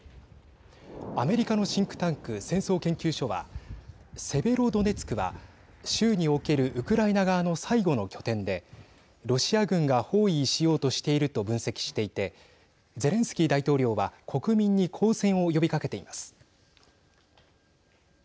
アメリカのシンクタンク戦争研究所はセベロドネツクは州におけるウクライナ側の最後の拠点でロシア軍が包囲しようとしていると分析していてゼレンスキー大統領は国民に抗戦を呼びかけています。